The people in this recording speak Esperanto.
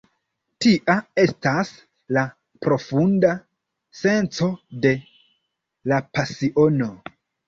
Tia estas la profunda senco de la pasiono.